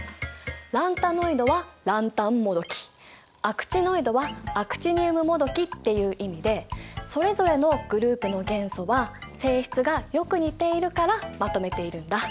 ランタノイドはランタンもどきアクチノイドはアクチニウムもどきっていう意味でそれぞれのグループの元素は性質がよく似ているからまとめているんだ。